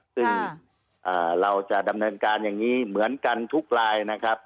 ซึ่งเราจะดำเนินการอย่างนี้เหมือนกันทุกรายนะครับ